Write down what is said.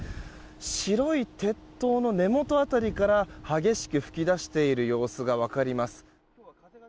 白い鉄塔の根元辺りから激しく噴き出している様子が分かります。